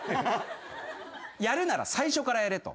やるなら最初からやれと。